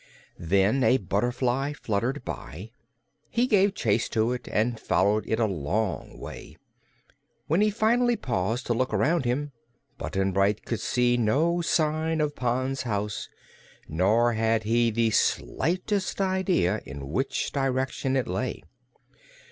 Then a butterfly fluttered by. He gave chase to it and followed it a long way. When finally he paused to look around him, Button Bright could see no sign of Pon's house, nor had he the slightest idea in which direction it lay.